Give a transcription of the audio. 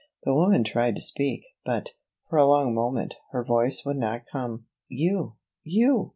The woman tried to speak; but, for a long moment, her voice would not come. "You you!"